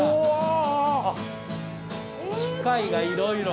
機械がいろいろ。